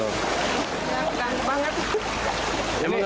emang gak ada jalan lain bu